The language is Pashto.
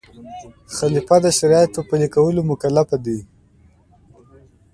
خلیفه د شریعت په پلي کولو مکلف دی.